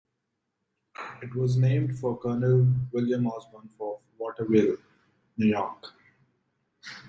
It was named for Colonel William Osborn of Waterville, New York.